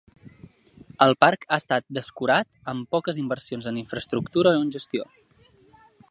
El parc ha estat descurat, amb poques inversions en infraestructura o en gestió.